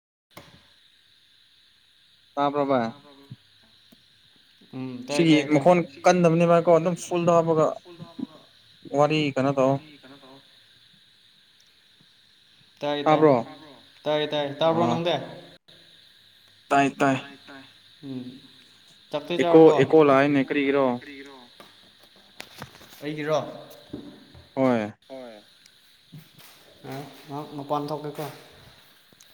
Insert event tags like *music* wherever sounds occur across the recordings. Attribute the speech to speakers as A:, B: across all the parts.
A: *inaudible* ꯇꯥꯕ꯭ꯔꯣ ꯎꯝ ꯇꯥꯏ ꯇꯥꯏ ꯇꯥꯏ *unintelligible* ꯋꯥꯔꯤ ꯀꯩꯅꯣ ꯇꯎꯑꯣ
B: *inaudible*
A: ꯇꯥꯏ ꯇꯥꯏ ꯇꯥꯏ ꯇꯥꯏꯌꯦ ꯇꯥꯕꯔꯣ ꯅꯪꯗꯦ ꯇꯥꯏ ꯇꯥꯏ ꯎꯝ ꯆꯥꯛꯇꯦ ꯆꯥꯔꯕꯣ ꯏꯀꯣ ꯏꯀꯣ ꯂꯥꯛꯑꯦꯅꯦ ꯀꯔꯤꯒꯤꯔꯣ ꯑꯩꯒꯤꯔꯣ
B: ꯍꯣꯏ
A: ꯎꯝ ꯃꯄꯥꯟ ꯊꯣꯛꯀꯦꯀꯣ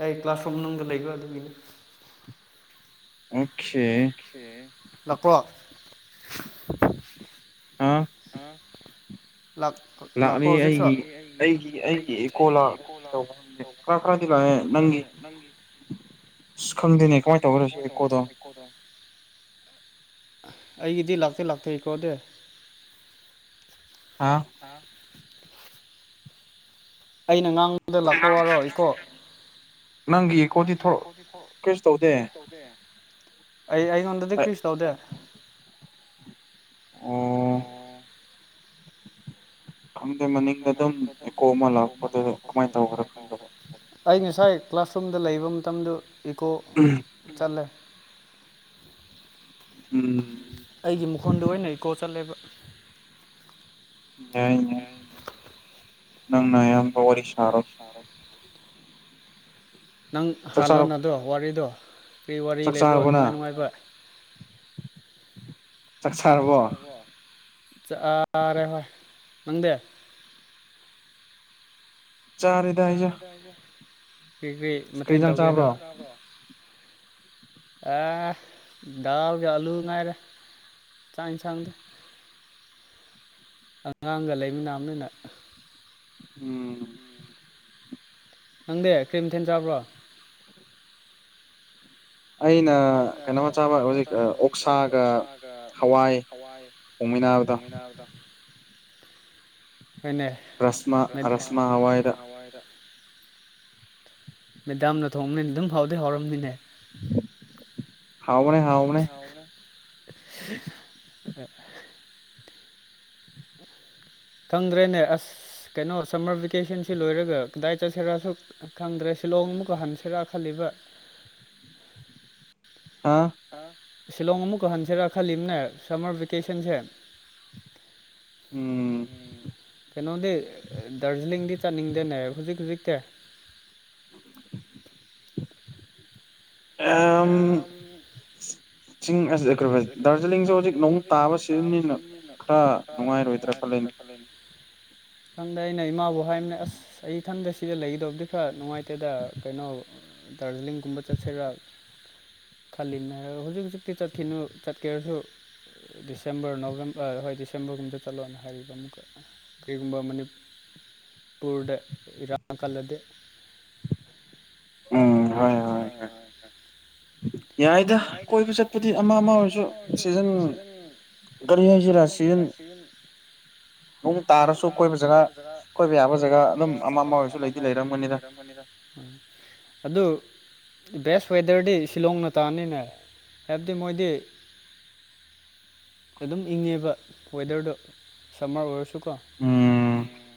A: ꯑꯩ ꯀ꯭ꯂꯥꯁꯔꯣꯝ ꯅꯪꯒ ꯂꯩꯕ ꯑꯗꯨꯒꯤꯅꯦ
B: ꯑꯣꯈꯦ
A: ꯂꯥꯛꯄ꯭ꯔꯣ ꯑ
B: ꯂꯥꯛꯅꯤ ꯑꯩꯒꯤ ꯑꯩꯒꯤ ꯑꯩꯒꯤ ꯏꯀꯣ ꯂꯥꯛ ꯈꯔ ꯈꯔꯗꯤ ꯂꯥꯛꯑꯦ
A: ꯈꯔꯗꯤ ꯂꯥꯛꯑꯦ ꯅꯪꯒꯤ
B: ꯑꯁ ꯈꯪꯗꯦꯅꯦ ꯀꯃꯥꯏꯅ ꯇꯧꯒꯦꯔ ꯁꯤ ꯗꯤ ꯑꯦꯀꯣꯗꯣ
A: ꯑꯩꯒꯤꯗꯤ ꯂꯥꯛꯇꯦ ꯂꯥꯛꯇꯦꯀꯣꯗꯦ ꯑ ꯑꯩꯅ ꯉꯥꯡꯕꯗ ꯂꯥꯛꯄ ꯋꯥꯔꯣ ꯑꯩꯀꯣ
B: ꯅꯪꯒꯤ ꯏꯀꯣꯗꯤ ꯊꯣ ꯀꯩꯁꯨ ꯇꯧꯗꯦ
A: ꯑꯩ ꯑꯩꯉꯣꯟꯗꯗꯤ ꯀ꯭ꯔꯤꯁꯨ ꯇꯧꯗꯦ ꯑꯣ *unintelligible* ꯑꯩ ꯉꯁꯥꯏ ꯀ꯭ꯂꯥꯁꯔꯨꯝꯗ ꯂꯩꯕ ꯃꯇꯝꯗꯨ ꯏꯀꯣ ꯆꯠꯂꯦ ꯑꯩꯒꯤ ꯃꯈꯣꯟꯗꯨ ꯑꯣꯏꯅ ꯏꯀꯣ ꯆꯠꯂꯦꯕ ꯎꯝ *unintelligible* ꯅꯪ ꯍꯥꯥꯟꯂꯣꯅꯗꯣ ꯋꯥꯔꯤꯗꯣ ꯀꯔꯤ ꯋꯥꯔꯤ ꯂꯩꯕ꯭ꯔꯣ ꯅꯨꯡꯉꯥꯏ ꯅꯨꯡꯉꯥꯏꯕ ꯆꯔꯦ ꯍꯣꯏ ꯅꯪꯗ ꯆꯔꯦꯗ ꯏꯕꯣ ꯀꯔꯤ ꯀꯔꯤ ꯃꯊꯦꯜ ꯇꯧꯒꯦꯗꯣ ꯑ ꯗꯥꯎ ꯑꯂꯨ ꯉꯥꯏꯔꯦ ꯆꯥꯛ ꯏꯟꯁꯥꯡꯗꯨ ꯑꯉꯥꯡꯒ ꯂꯩꯃꯤꯟꯅꯕꯅꯤꯅ
B: ꯎꯝ
A: ꯈꯪꯗꯦ ꯀ꯭ꯔꯤ ꯃꯥꯊꯦꯟ ꯆꯥꯕ꯭ꯔꯣ ꯑꯩꯅ ꯀꯩꯅꯣ ꯆꯥꯕ ꯍꯧꯖꯤꯛ ꯑꯣꯛꯁꯥꯒ ꯍꯋꯥꯏ ꯇꯧꯃꯤꯟꯅ ꯕꯗꯣ ꯍꯣꯏꯅꯦ ꯑ ꯔꯁꯃꯥ ꯔꯁꯃꯥ ꯋꯥꯏꯗ ꯃꯦꯗꯥꯝꯅ ꯊꯣꯡꯕꯅꯤꯅ ꯑꯗꯨꯝ ꯍꯥꯎꯗꯤ ꯍꯥꯎꯔꯝꯅꯤꯅꯦ ꯍꯥꯎꯕꯅꯦ ꯍꯥꯎꯕꯅꯦ ꯍ ꯑ *inaudible* ꯈꯪꯗ꯭ꯔꯦꯅꯦ ꯑꯁ ꯀꯩꯅꯣ ꯁꯝꯃꯔ ꯚꯦꯀꯦꯁꯟꯁꯤ ꯂꯣꯏꯔꯒ ꯀꯗꯥꯏ ꯆꯠꯁꯤꯔꯥꯁꯨ ꯈꯪꯗ꯭ꯔꯦ ꯁꯤꯂꯣꯡ ꯑꯃꯨꯛꯀ ꯍꯟꯁꯦꯔꯥ ꯈꯜꯂꯤꯕ
B: *inaudible*
A: ꯑ ꯁꯤꯂꯣꯡ ꯑꯃꯨꯛꯀ ꯍꯟꯁꯤꯔꯥ ꯈꯜꯂꯤꯝꯅꯦ ꯁꯝꯃꯔ ꯚꯦꯀꯦꯁꯟꯁꯦ
B: ꯎꯝ
A: ꯑ ꯗꯥꯔꯖꯤꯂꯤꯡꯗꯤ ꯆꯠꯅꯤꯡꯗꯦꯅꯦ ꯍꯧꯖꯤꯛ ꯍꯧꯖꯤꯛꯇꯤ
B: ꯑꯦꯝ
A: ꯁꯤꯡ ꯑꯁ ꯏꯀꯨꯏ ꯕ ꯗꯔꯖꯂꯤꯡꯁꯨ ꯍꯧꯖꯤꯛ ꯅꯣꯡ ꯇꯥꯕ ꯁꯤꯖꯟ ꯅꯤꯅꯥ ꯈꯔ ꯅꯨꯡꯉꯥꯏꯔꯣꯏꯗ꯭ꯔꯥ ꯄꯥꯂꯦꯝ
B: *inaudible*
A: ꯈꯪꯗꯦ ꯑꯩꯅ ꯏꯃꯥꯕꯨ ꯍꯥꯏꯕꯅꯦ ꯑꯁ ꯑꯩ ꯏꯊꯟꯗ ꯁꯤꯗ ꯂꯩꯒꯗꯧꯕꯗꯤ ꯈꯔ ꯅꯨꯡꯉꯥꯏꯇꯦꯗ ꯀꯩꯅꯣ ꯗꯥꯔꯖꯤꯂꯤꯡꯒꯨꯝꯕ ꯆꯠꯁꯤꯔꯥ ꯈꯜꯂꯤꯝꯅꯦ ꯍꯧꯖꯤꯛ ꯍꯧꯖꯤꯛ ꯇꯤ ꯆꯠꯈꯤꯅꯨ ꯆꯠꯀꯦꯔꯁꯨ ꯗꯤꯁꯦꯝꯕꯔ ꯅꯣꯕꯦꯝ ꯑ ꯍꯣꯏ ꯗꯤꯁꯦꯝꯕꯔꯒꯨꯝꯗ ꯆꯠꯂꯣꯅ ꯍꯥꯏꯔꯤꯕ ꯑꯃꯨꯛ ꯀꯔꯤꯒꯨꯝꯕ ꯃꯅꯤ ꯄꯨꯔꯗ ꯏꯔꯥꯡ ꯀꯜꯂꯗꯤ
B: *inaudible*
A: ꯎꯝ ꯍꯣꯏ ꯍꯣꯏ
B: ꯌꯥꯏꯗ ꯀꯣꯏꯕ ꯆꯠꯄꯗꯤ ꯑꯃ ꯑꯃ ꯑꯣꯏꯔꯁꯨ ꯁꯤꯖꯟ ꯀꯔꯤ ꯍꯥꯏꯖꯤꯔꯥ ꯁꯤꯖꯤꯟ ꯅꯣꯡ ꯇꯥꯔꯁꯨ ꯀꯣꯏꯕ ꯖꯒꯥ ꯀꯣꯏꯕ ꯌꯥꯕ ꯖꯒꯥ ꯑꯗꯨꯝ ꯑꯃ ꯑꯃ ꯑꯣꯏꯔꯁꯨ ꯂꯩꯗꯤ ꯂꯩꯔꯝꯒꯅꯤꯗ
A: ꯑꯗꯨ ꯕꯦꯁ ꯋꯦꯗꯔꯗꯤ ꯁꯤꯂꯣꯡ ꯅ ꯇꯥꯅꯤꯅꯦ ꯍꯥꯏꯕꯗꯤ ꯃꯣꯏꯗꯤ ꯑꯗꯨꯝ ꯏꯪꯉꯦꯕ ꯋꯦꯗꯔꯗꯣ ꯁꯝꯃꯔ ꯑꯣꯏꯔꯁꯨ ꯀꯣ ꯎꯝ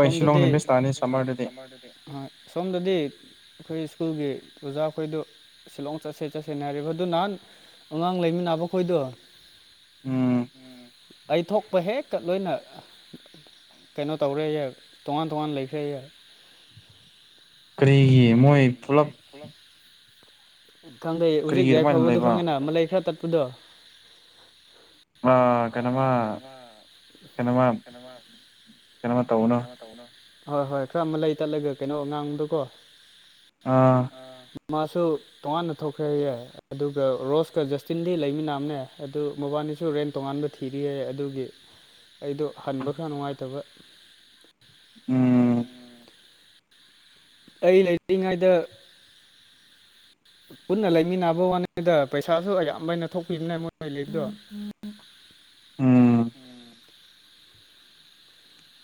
A: ꯁꯣꯝꯗꯗꯤ ꯁꯤꯂꯣꯡꯅ ꯕꯦꯁ ꯇꯥꯅꯤ ꯁꯥꯃꯔꯗꯗꯤ ꯑ ꯁꯣꯝꯗꯗꯤ ꯑꯩꯈꯣꯏ ꯁ꯭ꯀꯨꯜꯒꯤ ꯑꯣꯖꯥ ꯈꯣꯏꯗꯨ ꯁꯤꯂꯣꯡ ꯆꯠꯁꯦ ꯆꯠꯁꯦꯅ ꯍꯥꯏꯔꯤꯕ ꯑꯗꯨ ꯅꯍꯥꯟ ꯑꯉꯥꯡ ꯂꯩꯃꯤꯟ ꯅꯕ ꯈꯣꯢꯗꯨ ꯎꯝ ꯑꯩ ꯊꯣꯛ ꯄ ꯍꯦꯛꯀ ꯂꯣꯏꯅ ꯀꯩꯅꯣ ꯇꯧꯔꯦꯌꯦ ꯇꯣꯉꯥꯟ ꯇꯣꯉꯥꯟ ꯂꯩꯈ꯭ꯔꯦꯌꯦ
B: ꯀ꯭ꯔꯤꯒꯤ ꯃꯣꯏ ꯄꯨꯂꯞ
A: ꯈꯪꯗꯩ ꯍꯨꯖꯤꯛ ꯌꯥꯏꯐꯕꯗꯣ ꯈꯪꯉꯦꯅ ꯃꯂꯩ ꯈꯔ ꯇꯠꯄꯗꯣ ꯑ ꯀꯩꯅꯣꯝꯃ ꯀꯩꯅꯣꯝꯃ ꯀꯩꯅꯣ ꯇꯧꯕꯅꯣ ꯍꯣꯏ ꯍꯣꯏ ꯈꯔ ꯃꯂꯩ ꯇꯠꯂꯒ ꯀꯩꯅꯣ ꯉꯥꯡꯕꯗꯣ ꯀꯣ
B: ꯑꯥ
A: ꯃꯥꯁꯨ ꯇꯣꯉꯥꯟꯅ ꯊꯣꯛꯈ꯭ꯔꯦꯌꯦ ꯑꯗꯨꯒ ꯔꯣꯁꯀ ꯖꯁꯇꯤꯟꯗꯤ ꯂꯩꯃꯤꯟꯅꯝꯅꯦ ꯑꯗꯨ ꯃꯣ ꯃꯕꯥꯟꯅꯤꯁꯨ ꯔꯦꯟꯠ ꯇꯣꯉꯥꯟꯕ ꯊꯤꯔꯤꯌꯦ ꯑꯗꯨꯒꯤ ꯑꯩꯗꯣ ꯍꯟꯕ ꯈꯔ ꯅꯨꯡꯉꯥꯏꯇꯕ ꯎꯝ ꯑꯩ ꯂꯩꯔꯤꯉꯥꯏꯗ
B: *inaudible*
A: ꯄꯨꯟꯅ ꯂꯩꯃꯤꯟꯅꯕ ꯋꯥꯅꯤꯗ ꯄꯩꯁꯥꯁꯨ ꯌꯥꯝꯕ ꯑꯩꯅ ꯄꯨꯊꯣꯛꯄꯤꯕꯅꯦ ꯃꯣꯏ ꯂꯩꯕꯗꯣ ꯎꯝ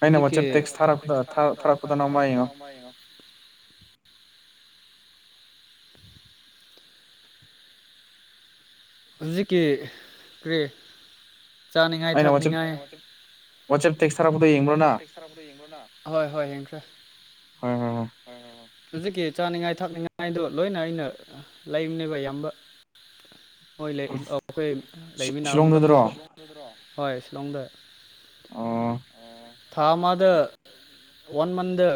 A: ꯍꯧꯖꯤꯛꯀꯤ ꯑꯩꯅ ꯋꯥꯠꯆꯞ ꯇꯦꯛꯁ ꯊꯥꯔꯛꯄ꯭ꯔꯥ ꯊꯥꯔꯛꯄꯗꯣ ꯅꯪ ꯑꯃꯔꯛ ꯌꯦꯡꯉꯣ *inaudible* ꯍꯧꯖꯤꯛꯀꯤ ꯀꯔꯤ ꯆꯥꯅꯤꯡꯉꯥꯏ ꯊꯛꯅꯤꯡꯉꯥꯏ ꯋꯥꯠꯆꯞ ꯇꯦꯛꯁ ꯊꯥꯔꯛꯄꯗꯣ ꯌꯦꯡꯑꯣ ꯅ ꯑ ꯍꯣꯢ ꯍꯣꯢ ꯌꯦꯡꯈ꯭ꯔꯦ ꯎꯝ ꯍꯧꯖꯤꯛꯀꯤ ꯆꯥꯅꯤꯡꯉꯥꯏ ꯊꯛꯅꯤꯡꯉꯥꯏꯗꯣ ꯂꯣꯏꯅ ꯑꯩꯅ ꯂꯩꯕꯅꯦꯕ ꯑꯌꯥꯝꯕ ꯍꯣꯏ ꯂꯩ ꯑꯩꯈꯣꯏ ꯂꯩꯃꯤꯟꯅꯕ ꯃꯇꯝꯗꯁꯨ ꯁꯤꯂꯣꯡꯗꯔꯣ ꯍꯣꯏ ꯁꯤꯂꯣꯡꯗ
B: ꯑꯣ
A: ꯊꯥ ꯑꯃꯗ ꯋꯥꯟ ꯃꯟꯗ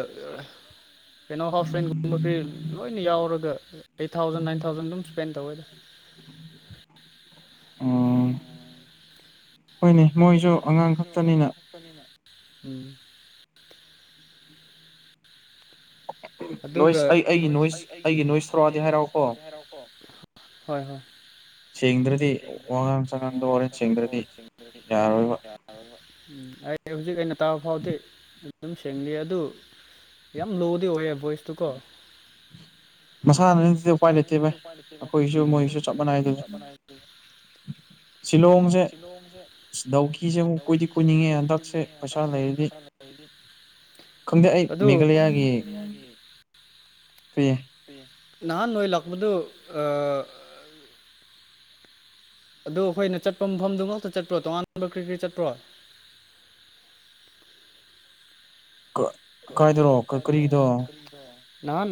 A: ꯀꯩꯅꯣ ꯍꯥꯎꯁ ꯐꯦꯟꯒꯨꯝꯕ ꯀꯩꯔꯤ ꯂꯣꯏꯅ ꯌꯥꯎꯔꯒ ꯑꯩꯠ ꯊꯥꯎꯖꯟ ꯅꯥꯏꯟ ꯊꯥꯎꯖꯟ ꯑꯗꯨꯝ ꯏꯁꯄꯦꯟ ꯇꯧꯋꯦ
B: ꯑꯣ ꯍꯣꯏꯅꯦ ꯃꯣꯏꯁꯨ ꯑꯉꯥꯡ ꯈꯛꯇꯅꯤꯅ
A: ꯎꯝ ꯑꯗꯨꯒ ꯅꯣꯏ ꯑꯩ ꯑꯩꯒꯤ ꯅꯣꯏꯁ ꯑꯩꯒꯤ ꯅꯣꯏꯁ ꯊꯣꯛꯑꯗꯤ ꯍꯥꯏꯔꯛꯑꯣꯀꯣ ꯍꯣꯏ ꯍꯣꯏ
B: ꯁꯦꯡꯗ꯭ꯔꯗꯤ ꯋꯥꯉꯥꯡ ꯁꯉꯥꯡꯗꯣ ꯍꯣꯔꯦꯟ ꯁꯦꯡꯗ꯭ꯔꯗꯤ ꯌꯥꯔꯣꯏꯕ
A: ꯎꯝ ꯑꯩ ꯍꯧꯖꯤꯛ ꯑꯩꯅ ꯇꯥꯕ ꯐꯥꯎꯗꯤ ꯑꯗꯨꯝ ꯁꯦꯡꯂꯤ ꯑꯗꯨ ꯌꯥꯝ ꯂꯣꯗꯤ ꯑꯣꯏꯌꯦ ꯚꯣꯏꯁꯇꯨꯀꯣ ꯃꯁꯥꯅꯅꯦ ꯁꯤꯗꯤ ꯎꯄꯥꯢ ꯂꯩꯇꯦ ꯎꯝ ꯑꯈꯣꯢꯁꯨ ꯃꯣꯢꯁꯨ ꯆꯞ ꯃꯥꯟꯅꯩꯌꯦ
B: *inaudible*
A: ꯁꯤꯂꯣꯡꯁꯦ ꯑꯁ ꯗꯥꯎꯊꯤꯁꯦꯀꯣ ꯀꯣꯢꯗꯤ ꯀꯣꯢꯅꯤꯡꯉꯦ ꯍꯟꯗꯛꯁꯦ ꯄꯩꯁꯥ ꯂꯩꯔꯗꯤ
B: ꯈꯪꯗꯦ ꯑꯩ ꯃꯦꯘꯂꯌꯥꯒꯤ ꯀꯩ
A: ꯅꯍꯥꯟ ꯅꯣꯏ ꯂꯥꯛꯄꯗꯨ ꯑꯥ ꯑꯗꯨ ꯑꯩꯈꯣꯏꯅ ꯆꯠꯄ ꯃꯐꯝꯗꯨ ꯉꯥꯛꯇ ꯆꯠꯄ꯭ꯔꯣ ꯇꯣꯉꯥꯟꯥꯟꯕ ꯀꯔꯤ ꯀꯔꯤ ꯆꯠꯄ꯭ꯔꯣ
B: *inaudible* ꯀ ꯀꯥꯏꯗꯔꯣ ꯀꯔꯤꯒꯤꯗꯣ
A: ꯅꯍꯥꯟ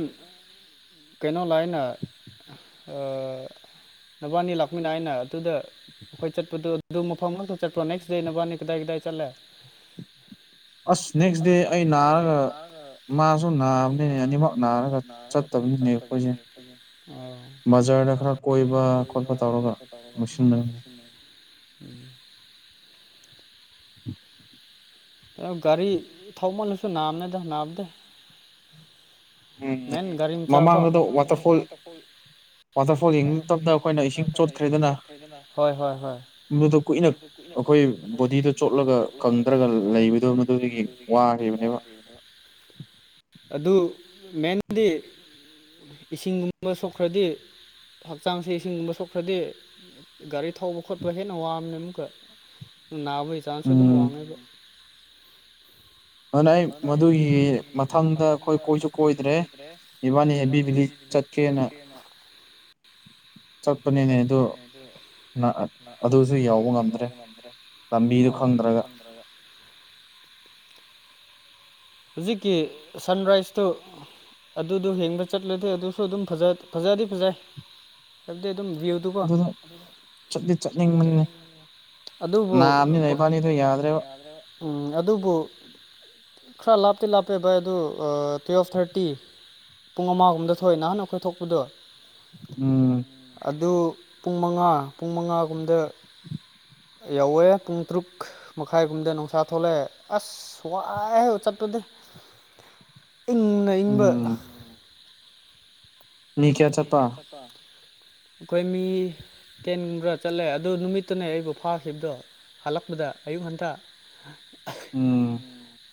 A: ꯀꯩꯅꯣ ꯂꯥꯛꯢꯅ ꯑꯥ ꯅꯕꯥꯅꯤ ꯂꯥꯛꯃꯤꯟꯅꯩꯅ ꯑꯗꯨꯗ ꯑꯩꯈꯣꯏ ꯆꯠꯄꯗꯨ ꯑꯗꯨ ꯃꯐꯝꯈꯛꯇ ꯆꯠꯄ꯭ꯔꯣ ꯅꯦꯛꯁ ꯗꯦ ꯅꯕꯥꯟꯅꯤ ꯀꯗꯥꯏ ꯀꯗꯥꯏ ꯆꯠꯂꯦ
B: ꯑꯁ ꯅꯦꯛꯁ ꯗꯦ ꯑꯩ ꯅꯥꯔꯒ ꯃꯥꯁꯨ ꯅꯥꯕꯅꯤꯅꯦ ꯑꯅꯤꯃꯛ ꯅꯥꯔꯒ ꯆꯠꯇꯕꯅꯤꯅꯦ ꯑꯩꯈꯣꯏꯁꯦ ꯕꯖꯥꯔꯗ ꯈꯔ ꯀꯣꯏꯕ ꯈꯣꯠꯄ ꯇꯧꯔꯒ ꯂꯧꯁꯤꯟꯕꯅꯦ *inaudible*
A: ꯎꯝ ꯑ ꯒꯥꯔꯤ ꯊꯧꯃꯜꯂꯁꯨ ꯅꯥꯝꯅꯦꯗ ꯅꯥꯕꯗꯤ ꯃꯦꯟ ꯒꯔꯤ ꯃꯆꯥꯀꯣ ꯃꯃꯥꯡꯗ ꯋꯥꯇ꯭ꯔ ꯐꯣꯜ ꯍꯣꯏ ꯍꯣꯏ
B: ꯃꯗꯨꯗꯣ ꯀꯨꯏꯅ ꯑꯩꯈꯣꯏ ꯕꯣꯗꯤꯗ ꯆꯣꯠꯂ ꯑꯗꯨꯒ ꯀꯪꯗ꯭ꯔꯒ ꯂꯩꯕꯗꯣ ꯃꯗꯨꯗꯒꯤ ꯋꯥꯈꯤꯕꯅꯦꯕ
A: ꯑꯗꯨ ꯃꯦꯟꯗꯤ ꯏꯁꯤꯡꯒꯨꯝꯕ ꯁꯣꯛꯈ꯭ꯔꯗꯤ ꯍꯛꯆꯥꯡꯁꯦ ꯏꯁꯤꯡꯒꯨꯝꯕ ꯁꯣꯛꯈ꯭ꯔꯗꯤ ꯒꯥꯔꯤ ꯊꯧꯕ ꯈꯣꯠꯄ ꯍꯦꯟꯅ ꯋꯥꯕꯅꯦ ꯑꯃꯨꯛꯀ ꯅꯥꯕꯩ ꯑꯗꯨꯝ ꯋꯥꯡꯉꯦꯕ
B: ꯑꯗꯨꯅ ꯑꯩ ꯃꯗꯨꯒꯤ ꯃꯊꯪꯗ ꯑꯩꯈꯣꯏ ꯀꯣꯏꯁꯨ ꯀꯣꯏꯗ꯭ꯔꯦ
A: *unintelligible*
B: *inaudible*
A: ꯆꯄꯅꯦꯅꯦꯗ
B: ꯅ ꯑꯗꯨꯁꯨ ꯌꯥꯎꯕ ꯉꯝꯗ꯭ꯔꯦ ꯂꯝꯕꯤꯗꯨ ꯈꯪꯗ꯭ꯔꯥ
A: ꯈꯪꯗ꯭ꯔꯕ ꯍꯧꯖꯤꯛꯀꯤ ꯁꯟꯔꯥꯏꯁꯇꯨ ꯑꯗꯨꯗꯣ ꯌꯦꯡꯕ ꯆꯠꯂꯗꯤ ꯑꯗꯨꯁꯨ ꯑꯗꯨꯝ ꯐꯖꯗꯤ ꯐꯖꯩ ꯑꯗꯨꯝ ꯚ꯭ꯌꯨꯗꯨꯀꯣ ꯑꯗꯨꯕꯨ ꯎꯝ ꯑꯗꯨꯕꯨ ꯈꯔ ꯂꯥꯞꯇꯤ ꯂꯥꯞꯄꯦ ꯚꯥꯏ ꯑꯗꯨ ꯇꯨꯋꯦꯜꯐ ꯊꯥꯔꯇꯤ ꯄꯨꯡ ꯑꯃꯒꯨꯝꯗ ꯊꯣꯛꯑꯦ ꯅꯍꯥꯟ ꯑꯩꯈꯣꯏ ꯊꯣꯛꯄꯗꯣ ꯑꯗꯨ ꯄꯨꯡ ꯃꯉꯥ ꯄꯨꯡ ꯃꯉꯥꯒꯨꯝꯗ ꯌꯧꯋꯦ ꯄꯨꯡ ꯇꯔꯨꯛ ꯃꯈꯥꯏꯒꯨꯝꯗ ꯅꯨꯡꯁꯥ ꯊꯣꯛꯂꯛꯑꯦ ꯑꯁ ꯋꯥꯏꯌꯣ ꯆꯄꯗ ꯏꯪꯅ ꯏꯪꯕ ꯃꯤ ꯀꯌꯥ ꯆꯠꯄ ꯑꯩꯈꯣꯏ ꯃꯤ ꯇꯦꯟꯒꯨꯝꯕ꯭ꯔꯥ ꯆꯠꯂꯦ ꯑꯗꯨ ꯅꯨꯃꯤꯠꯇꯨꯅꯦ ꯑꯩꯕꯨ ꯐꯥꯈꯤꯕꯗꯣ ꯍꯜꯂꯛꯄꯗ ꯑꯌꯨꯛ ꯉꯟꯇꯥ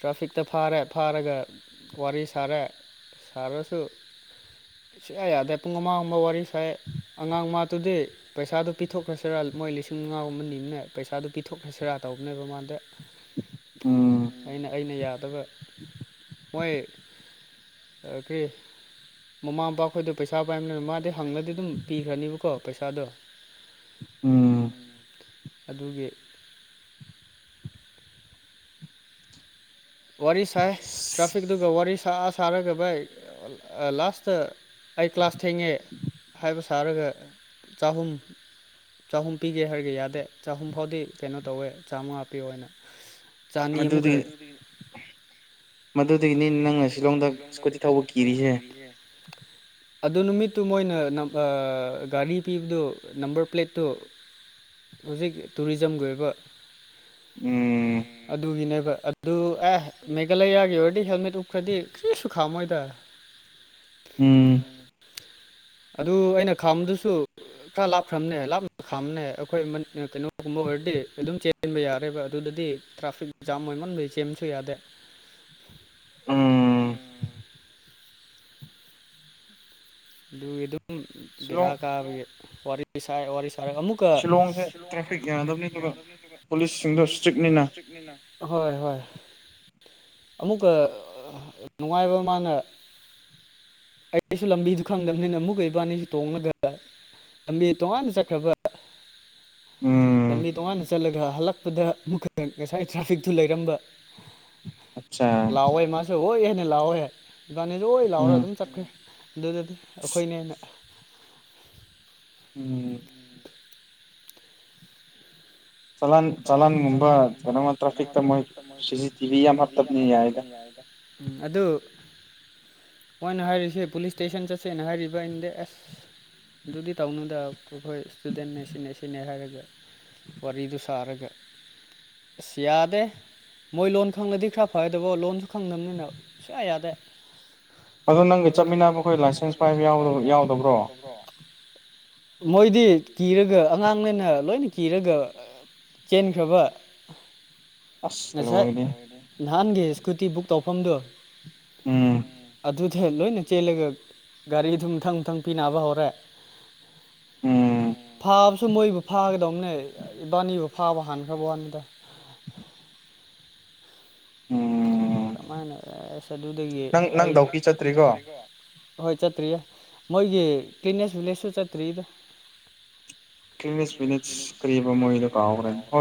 A: ꯇ꯭ꯔꯥꯐꯤꯛꯇ ꯐꯥꯔꯦ ꯐꯥꯔꯒ ꯋꯥꯔꯤ ꯁꯥꯔꯦ ꯁꯥꯔꯁꯨ
B: *inaudible*
A: ꯌꯨꯌꯥ ꯌꯥꯗꯦ ꯄꯨꯡ ꯑꯃꯒꯨꯝꯕ ꯋꯥꯔꯤ ꯁꯥꯏ ꯑꯉꯥꯡ ꯃꯥ ꯑꯗꯨꯗꯤ ꯄꯩꯁꯥꯗꯨ ꯄꯤꯊꯣꯛꯈ꯭ꯔꯁꯤꯔꯥ ꯃꯣꯏ ꯂꯤꯁꯤꯡ ꯃꯉꯥꯒꯨꯝ ꯅꯤꯅꯦ ꯄꯩꯁꯥꯗꯨ ꯄꯤꯊꯣꯛꯈ꯭ꯔꯁꯤꯔꯥ ꯇꯧꯕꯅꯦꯕ ꯃꯥꯗꯤ ꯑꯩꯅ ꯑꯩꯅ ꯌꯥꯗꯕ ꯃꯣꯏ ꯀꯩ ꯃꯃꯥ ꯃꯄ ꯑꯩꯈꯣꯏꯗꯣ ꯄꯩꯁꯥ ꯄꯥꯏꯕꯅꯦ ꯃꯥꯗꯤ ꯍꯪꯂꯗꯤ ꯑꯗꯨꯝ ꯄꯤꯈ꯭ꯔꯅꯤꯕꯀꯣ ꯄꯩꯁꯥꯗꯣ
B: ꯎꯝ
A: ꯑꯗꯨꯒꯤ ꯋꯥꯔꯤ ꯁꯥꯏ ꯇ꯭ꯔꯥꯐꯤꯛ ꯗꯨꯒ ꯋꯥꯔꯁ ꯁꯥ ꯁꯥꯔꯒ ꯚꯥꯢ ꯂꯥꯁꯇ ꯑꯩ ꯀ꯭ꯂꯥꯁ ꯊꯦꯡꯉꯦ ꯍꯥꯏꯕ ꯁꯥꯔꯒ ꯆꯍꯨꯝ ꯆꯍꯨꯝ ꯄꯤꯒꯦ ꯍꯥꯏꯔꯒꯦ ꯌꯥꯗꯦ ꯆꯍꯨꯝ ꯐꯥꯎꯗꯤ ꯀꯩꯅꯣ ꯇꯧꯋꯦ ꯆꯥꯝꯃꯉꯥ ꯄꯤꯌꯣ ꯑꯣꯏꯅ ꯆꯥꯅꯤ ꯑꯃꯨꯛꯈꯛ
B: ꯃꯗꯨꯗꯒꯤꯅꯤ ꯅꯪ ꯅ ꯁꯤꯂꯣꯡꯗ ꯏꯁꯀꯨꯇꯤ ꯊꯧꯕ ꯀꯤꯔꯤꯁꯦ
A: ꯑꯗꯨ ꯅꯨꯃꯤꯠꯇꯨ ꯃꯣꯏꯅ ꯒꯥꯔꯤ ꯄꯤꯕꯗꯨ ꯅꯝꯕꯔ ꯄ꯭ꯂꯦꯠꯇꯨ ꯍꯧꯖꯤꯛ ꯇꯨꯔꯤꯖꯝꯒꯤ ꯑꯣꯏꯕ ꯑꯗꯨꯒꯤꯅꯦꯕ ꯑꯗꯨ ꯑꯦ ꯃꯦꯘꯂꯌꯥꯒꯤ ꯑꯣꯏ ꯍꯦꯜꯃꯦꯠ ꯎꯞꯈ꯭ꯔꯗꯤ ꯀꯔꯤꯁꯨ ꯈꯥꯝꯃꯣꯏꯗ
B: *inaudible*
A: ꯑꯗꯨ ꯑꯩꯅ ꯈꯥꯝꯕꯗꯨꯁꯨ ꯈꯔ ꯂꯥꯞꯈ꯭ꯔꯕꯅꯦ ꯂꯥꯞꯅ ꯈꯥꯝꯅꯦ ꯑꯩꯈꯣꯏ ꯀꯩꯅꯣꯒꯨꯝꯕ ꯑꯣꯏꯔ ꯑꯗꯨꯗꯤ ꯑꯗꯨꯝ ꯆꯦꯟꯕ ꯌꯥꯔꯦꯕ ꯑꯗꯨꯗꯗꯤ ꯇ꯭ꯔꯥꯐꯤꯛ ꯖꯥꯝ ꯑꯣꯏꯃꯟꯕꯩ ꯆꯦꯟꯕꯁꯨ ꯌꯥꯗꯦ
B: *inaudible*
A: ꯎꯝ ꯗꯨꯒꯝ ꯗꯨꯝ ꯕꯦꯔꯥ ꯀꯥꯕꯒꯤ ꯋꯥꯔꯤ ꯁꯥꯏ ꯋꯥꯔꯤ ꯀꯔꯛ ꯑꯃꯨꯛꯀ ꯁꯤꯂꯣꯡꯗ ꯇ꯭ꯔꯥꯐꯤꯛ ꯌꯥꯗꯕꯅꯤ ꯑꯗꯨꯒ ꯄꯨꯂꯤꯁꯁꯤꯡꯗꯣ ꯏꯁꯇ꯭ꯔꯤꯛꯅꯤꯅ ꯍꯣꯏ ꯍꯣꯏ ꯑꯃꯨꯛꯀ ꯅꯨꯡꯉꯥꯏꯕ ꯃꯥꯅ ꯑꯩꯁꯨ ꯂꯝꯕꯤꯗ ꯈꯪꯗꯕꯅꯤꯅ ꯑꯃꯨꯛꯀ ꯏꯕꯥꯅꯤꯁꯤ ꯇꯣꯡꯉꯒ ꯂꯝꯕꯤ ꯇꯣꯉꯥꯟꯅ ꯆꯠꯈ꯭ꯔꯕ ꯂꯝꯕꯤ ꯇꯣꯉꯥꯟꯅ ꯆꯠꯂꯒ ꯍꯜꯂꯛꯄꯗ ꯑꯃꯨꯛ ꯉꯁꯥꯏ ꯇ꯭ꯔꯥꯐꯤꯛꯇꯨ ꯂꯩꯔꯝꯕ ꯂꯥꯎꯋꯦ ꯃꯥꯁꯨ ꯑꯣꯏ ꯍꯅ ꯂꯥꯎꯋꯦ ꯒꯥꯅꯦꯗ ꯑꯣꯏ ꯂꯥꯎꯔꯒ ꯑꯗꯨꯝ ꯆꯠꯈ꯭ꯔꯦ ꯑꯗꯨꯗꯗꯤ ꯑꯩꯈꯣꯏꯅꯦꯅ
B: ꯎꯝ
A: ꯆꯂꯥꯟ ꯆꯂꯥꯟ ꯒꯨꯝꯕ ꯀꯩꯅꯣꯃ ꯇ꯭ꯔꯥꯐꯤꯛꯇ ꯁꯤꯗꯗꯤ ꯇꯤꯕꯤ ꯌꯥꯝ ꯍꯥꯞꯇꯕꯤꯅ ꯌꯥꯏꯌꯦꯕ ꯎꯝ ꯑꯗꯨ ꯃꯣꯏꯅ ꯍꯥꯏꯔꯤꯁꯦ ꯄꯨꯂꯤꯁ ꯁ꯭ꯇꯦꯁꯟ ꯆꯠꯁꯦꯅ ꯍꯥꯏꯔꯤꯕ ꯑꯩꯅꯗꯤ ꯑꯁ ꯑꯗꯨꯗꯤ ꯇꯧꯅꯨꯗ ꯑꯩꯈꯣꯏ ꯏꯁꯇꯨꯗꯦꯟꯅꯦ ꯁꯤꯅ ꯁꯤꯅꯦ ꯍꯥꯏꯔꯒ ꯋꯥꯔꯤꯗꯨ ꯁ ꯁꯔꯒ ꯑꯁ ꯌꯥꯗꯦ ꯃꯣꯏ ꯂꯣꯟ ꯈꯪꯂꯗꯤ ꯈ꯭ꯔ ꯐꯒꯗꯕ ꯂꯣꯟꯁꯨ ꯈꯪꯗꯝꯅꯤꯅ ꯁꯨꯌꯥ ꯌꯥꯗꯦ
B: ꯑꯗꯣ ꯅꯪꯒ ꯆꯠꯃꯤꯟꯅꯕ ꯈꯣꯏ ꯂꯥꯏꯁꯦꯟꯁ ꯄꯥꯏꯕ ꯌꯥ ꯌꯥꯎꯗꯕ꯭ꯔꯣ
A: ꯃꯣꯏꯗꯤ ꯀꯤꯔꯒ ꯑꯉꯥꯡꯅꯦꯅ ꯂꯣꯏꯅ ꯀꯤꯔꯒ ꯆꯦꯟꯈ꯭ꯔꯕ ꯉꯁꯥꯏ ꯅꯍꯥꯟꯒꯤ ꯏꯁ꯭ꯀꯨꯇꯤ ꯕꯨꯛ ꯇꯧꯐꯝꯗꯣ ꯑꯗꯨ ꯂꯣꯏꯅ ꯆꯦꯜꯂꯒ ꯒꯥꯔꯤꯗꯨ ꯃꯊꯪ ꯃꯊꯪ ꯄꯤꯅꯕ ꯍꯧꯔꯦ ꯎꯪ ꯐꯥꯕ ꯗꯨ ꯃꯣꯏꯕꯨ ꯐꯥꯒꯗꯧꯅꯦ ꯏꯕꯥꯅꯤꯕꯨ ꯐꯥꯕ ꯍꯥꯟꯈ꯭ꯔꯕ ꯋꯥꯅꯤꯗ *inaudible* ꯎ ꯀꯃꯥꯏꯅ ꯑꯁ ꯑꯗꯨꯗꯒꯤ ꯑꯩ ꯅꯪ ꯗꯧꯀꯤ ꯆꯠꯇ꯭ꯔꯤꯀꯣ ꯍꯣꯏ ꯆꯠꯇ꯭ꯔꯤꯌꯦ ꯃꯣꯏꯒꯤ ꯀꯦꯅꯦꯁ ꯚꯤꯂꯦꯖꯁꯨ ꯆꯠꯇ꯭ꯔꯤꯗ ꯀꯦꯅꯦꯖ ꯚꯤꯂꯦꯖ ꯀ꯭ꯔꯤꯕ ꯃꯣꯏꯗꯣ ꯀꯥꯎꯒ꯭ꯔꯦ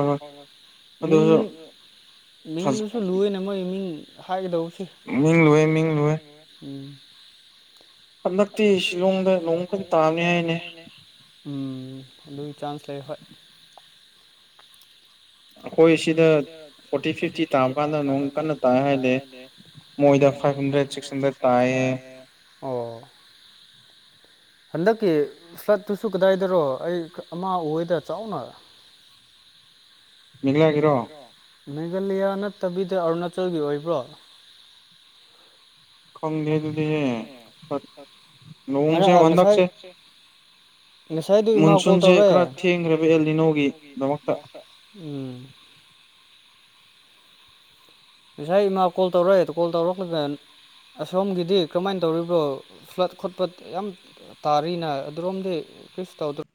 A: *unintelligible* ꯃꯤꯟ ꯃꯤꯡꯗꯨꯁꯨ ꯂꯨꯏꯅ ꯃꯣꯏ ꯃꯤꯡ ꯍꯥꯏꯒꯗꯧ
B: ꯃꯤꯡ ꯂꯨꯋꯦ ꯃꯤꯡ ꯂꯨꯋꯦ
A: *inaudible*
B: ꯍꯟꯗꯛꯇꯤ ꯁꯤꯂꯣꯡꯗ ꯅꯣꯡ ꯀꯟ ꯇꯥꯕꯅꯦ ꯍꯥꯏꯅꯦ
A: ꯎꯝ ꯑꯗꯨꯝ ꯆꯥꯟꯁ ꯂꯩ ꯍꯣꯏ ꯑꯩꯈꯣꯏ ꯁꯤꯗ ꯐꯣꯔꯇꯤ ꯐꯤꯐꯇꯤ ꯇꯥꯔꯀꯥꯟꯗ ꯅꯣꯡ ꯀꯟꯅ ꯇꯥꯏ ꯍꯥꯏꯅꯦ ꯃꯣꯏꯗ ꯐꯥꯏꯐ ꯍꯟꯗ꯭ꯔꯦꯠ ꯁꯦꯛꯁꯟꯗ ꯇꯥꯏꯌꯦ ꯑꯣ
B: *inaudible*
A: ꯍꯟꯗꯛꯀꯤ ꯐ꯭ꯂꯠꯇꯨꯁꯨ ꯀꯗꯥꯏꯗꯔꯣ ꯑꯩ ꯑꯃ ꯎꯌꯦꯗ ꯆꯥꯎꯅ
B: *inaudible*
A: ꯃꯦꯘ꯭ꯂꯥꯒꯤꯔꯣ ꯃꯦꯘꯂꯤꯌꯥ ꯅꯠꯇꯕꯤꯗ ꯑꯔꯨꯅꯥꯆꯜꯒꯤ ꯑꯣꯏꯕ꯭ꯔꯣ ꯈꯪꯗꯦ ꯗꯨꯗꯤ ꯍꯦ ꯉꯔꯥ ꯉꯁꯥꯢ
B: ꯃꯨꯟꯁꯨꯟꯁꯦ ꯈꯔ ꯊꯦꯡꯈ꯭ꯔꯕ ꯑꯦꯂꯤꯅꯣꯒꯤꯗꯃꯛꯇ
A: ꯎꯝ ꯉꯁꯥꯏ ꯏꯃꯥ ꯀꯣꯜ ꯇꯧꯔꯛꯑꯦ ꯀꯣꯜ ꯇꯧꯔꯛꯄꯗꯟ ꯑꯁꯣꯝꯒꯤꯗꯤ ꯀꯃꯥꯢꯟ ꯇꯧꯔꯤꯕ꯭ꯔꯣ ꯐ꯭ꯂꯠ ꯈꯣꯠꯄ ꯌꯥꯝ ꯇꯥꯔꯤꯅ ꯑꯗ꯭ꯔꯣꯝꯗꯤ ꯀ꯭ꯔꯤꯁꯨ ꯇꯧꯗꯣ